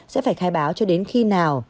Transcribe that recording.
sẽ phải khai báo cho đến khi nào